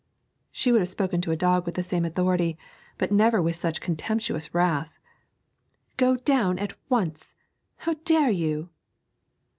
She would have spoken to a dog with the same authority, but never with such contemptuous wrath. 'Go down at once! How dare you!'